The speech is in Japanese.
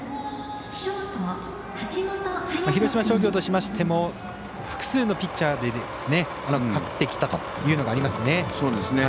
広島商業としましても複数のピッチャーで勝ってきたというのもありますね。